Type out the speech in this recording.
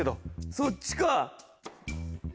そっちか。